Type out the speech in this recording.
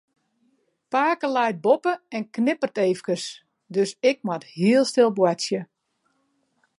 Pake leit boppe en knipperet efkes, dus ik moat hiel stil boartsje.